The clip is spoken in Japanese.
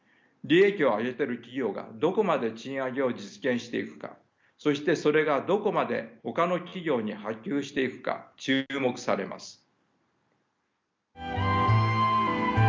利益を上げている企業がどこまで賃上げを実現していくかそしてそれがどこまでほかの企業に波及していくか注目されます。